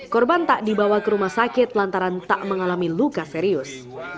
korban tak dibawa ke rumah sakit lantaran tak mengalami luka serius